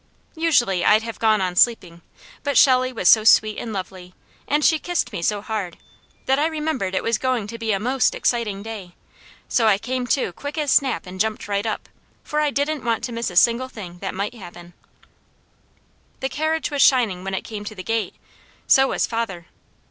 Usually I'd have gone on sleeping, but Shelley was so sweet and lovely, and she kissed me so hard, that I remembered it was going to be a most exciting day, so I came to quick as snap and jumped right up, for I didn't want to miss a single thing that might happen. The carriage was shining when it came to the gate, so was father.